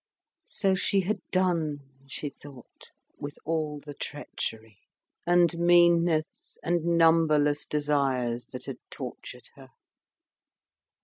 So she had done, she thought, with all the treachery; and meanness, and numberless desires that had tortured her.